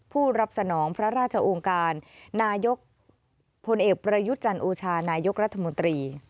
ผู้รับสนองพระราชองค์การนายกพลเอกประยุทธ์จันโอชานายกรัฐมนตรี